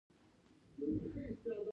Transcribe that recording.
آزاد تجارت مهم دی ځکه چې پانګونه جذبوي.